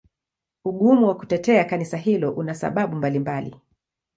Ugumu wa kutetea Kanisa hilo una sababu mbalimbali.